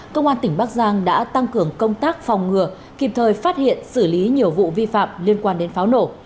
công an tỉnh bắc giang đã tăng cường công tác phòng ngừa kịp thời phát hiện xử lý nhiều vụ vi phạm liên quan đến pháo nổ